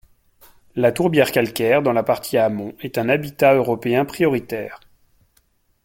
La tourbière calcaire, dans la partie amont est un habitat européen prioritaire.